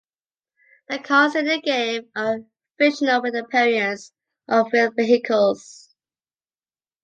The cars in the game are fictional with the appearance of real vehicles.